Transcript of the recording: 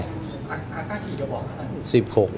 มีอากาศกี่กระบอบครับท่าน